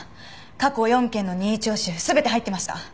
過去４件の任意聴取全て入ってました。